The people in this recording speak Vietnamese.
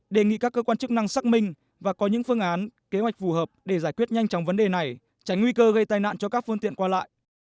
đề nghị các cơ quan chức năng xác minh và có những phương án kế hoạch phù hợp để giải quyết nhanh chóng vấn đề này tránh nguy cơ gây tai nạn cho các phương tiện qua lại